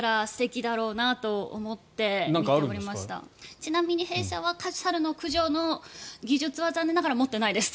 ちなみに弊社は猿の駆除の技術は残念ながら持ってないです。